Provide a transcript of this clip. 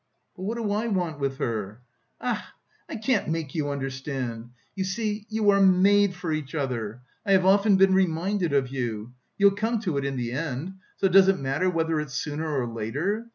"But what do I want with her?" "Ach, I can't make you understand! You see, you are made for each other! I have often been reminded of you!... You'll come to it in the end! So does it matter whether it's sooner or later?